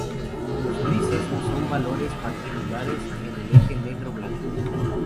Los "grises" son valores particulares en el eje negro-blanco.